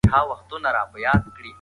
ايا د انارګل مور به لښتې ته بښنه وکړي؟